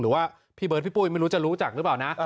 พี่เบิร์ดพี่ปุ้ยไม่รู้จะรู้จักหรือเปล่านะ